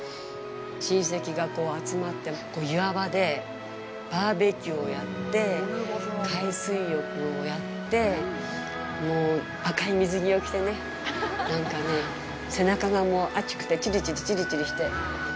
親戚が集まって岩場でバーベキューをやって海水浴をやって赤い水着を着てねなんかね、背中があちくてちりちり、ちりちりして。